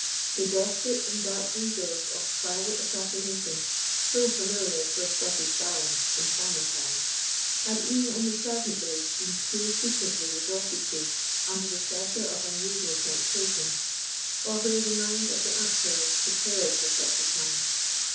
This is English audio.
The desperate and dark resource of private assassination, so familiar to a Scottish baron in former times, had even in the present age been too frequently resorted to under the pressure of unusual temptation, or where the mind of the actor was prepared for such a crime.